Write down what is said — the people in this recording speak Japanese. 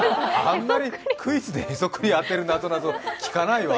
あんまりクイズでへそくりを当てるの聞かないわ。